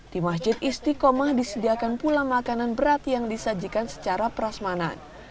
di masjid istiqomah disediakan pula makanan berat yang disajikan secara prasmanan